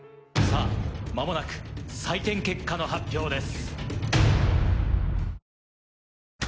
間もなく採点結果の発表です。